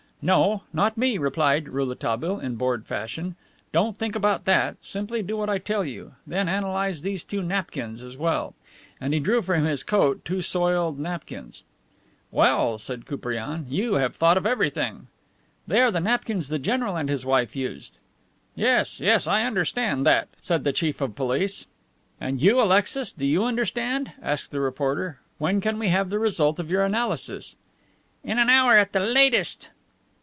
"No, not me," replied Rouletabille, in bored fashion. "Don't think about that. Simply do what I tell you. Then analyze these two napkins, as well." And he drew from his coat two soiled napkins. "Well," said Koupriane, "you have thought of everything." "They are the napkins the general and his wife used." "Yes, yes, I understand that," said the Chief of Police. "And you, Alexis, do you understand?" asked the reporter. "When can we have the result of your analysis? "In an hour, at the latest."